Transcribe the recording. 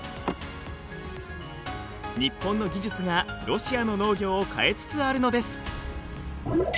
日本の技術がロシアの農業を変えつつあるのです。